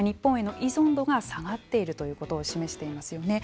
日本への依存度が下がっているということを示していますよね。